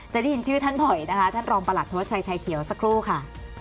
ได้ยินชื่อท่านบ่อยนะคะท่านรองประหลัดธวัชชัยไทยเขียวสักครู่ค่ะ